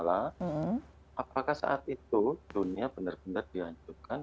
apakah saat itu dunia benar benar dihancurkan